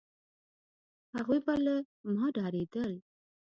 هغوی به له ما ډارېدل،